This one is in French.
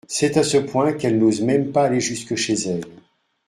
C'est à ce point qu'elle n'ose même pas aller jusque chez elle.